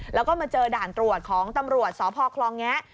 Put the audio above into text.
แล้วก็มาเจอด่านตรวจของตำรวจสพคลองแงะ